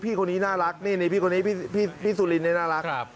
พี่คนนี้น่ารักพี่ซูลินน่ารัก